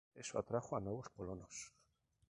Eso atrajo a nuevos colonos.